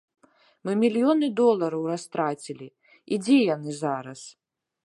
Мы мільёны долараў растрацілі, і дзе яны зараз?